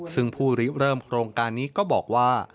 ซึ่งผู้ริเริ่มโครงการนี้ก็บอกว่า